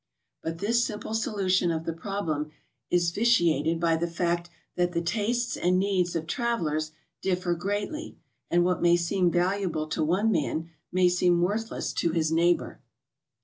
But this simple solution of the prob lem is vitiated by the fact that the tastes and needs of trav elers differ greatly, and what may seem valuable to one man may seem worthless to his neighbor.